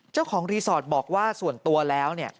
เจ้าของรีสอร์ทบอกว่าส่วนตัวแล้ว